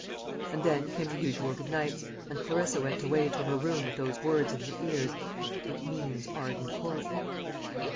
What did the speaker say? And then came the usual good nights, and Clarissa went away to her room with those words in her ears, "It means Arden Court."